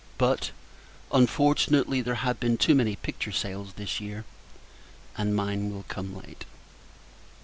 But, unfortunately, there have been too many picture sales this year, and mine will come late.